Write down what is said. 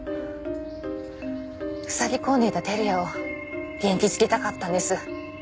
ふさぎ込んでいた輝也を元気づけたかったんです。